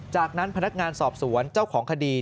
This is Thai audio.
จากนั้นพนักงานสอบสวนเจ้าของคดี